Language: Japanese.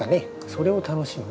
それを楽しむ。